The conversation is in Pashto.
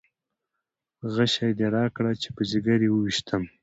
غشی دې راکړه چې په ځګر یې وویشتم.